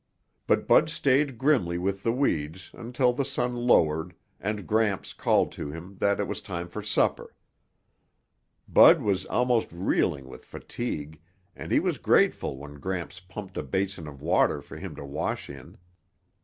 But Bud stayed grimly with the weeds until the sun lowered and Gramps called to him that it was time for supper. Bud was almost reeling with fatigue and he was grateful when Gramps pumped a basin of water for him to wash in.